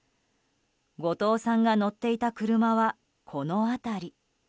後藤さんが乗っていた車はこの辺り。